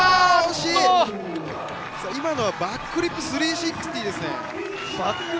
バックフリップ３６０ですね。